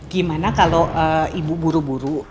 gimana kalau ibu buru buru